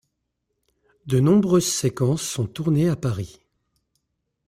De nombreuses séquences sont tournées à Paris.